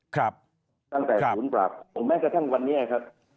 ตั้งแต่ศูนย์ปราบผมแม้กระทั่งวันนี้ครับ